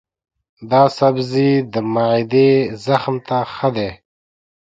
دا سبزی د معدې زخم ته ښه دی.